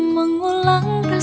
jangan lupakan lari